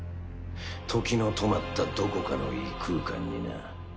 時の止まったどこかの異空間にな。